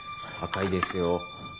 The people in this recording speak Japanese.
赤いですよ。